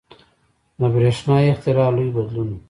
• د برېښنا اختراع لوی بدلون و.